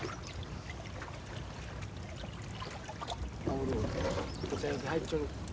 おるおる入っちょる。